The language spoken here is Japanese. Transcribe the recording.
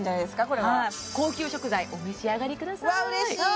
これは高級食材お召し上がりくださいうわ